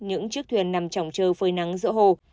những chiếc thuyền nằm trỏng trơ phơi nắng giữa hồ